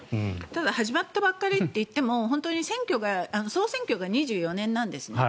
ただ始まったばっかといっても本当に総選挙が２４年なんです。